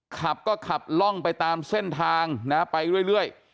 ขับก็ขับล่องไปตามเส้นทางนะไปเรื่อย